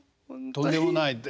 とんでもないって。